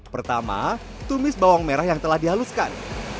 pertama tumis bawang merah yang telah dihaluskan